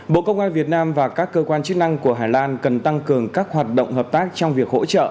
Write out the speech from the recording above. bộ công an việt nam và các cơ quan chức năng của hà lan cần tăng cường các hoạt động hợp tác trong việc hỗ trợ